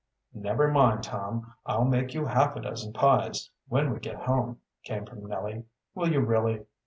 "Never mind, Tom, I'll make you half a dozen pies when we get home," came from Nellie. "Will you really?"